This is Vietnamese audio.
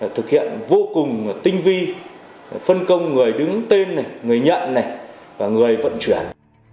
thực hiện vô cùng tinh vi phân công người đứng tên người nhận và người vận chuyển